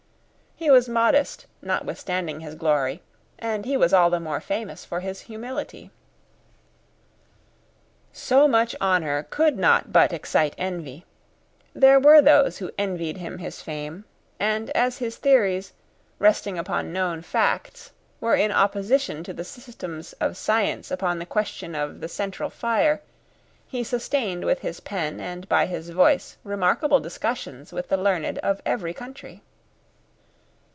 He was modest notwithstanding his glory, and he was all the more famous for his humility. So much honour could not but excite envy. There were those who envied him his fame; and as his theories, resting upon known facts, were in opposition to the systems of science upon the question of the central fire, he sustained with his pen and by his voice remarkable discussions with the learned of every country.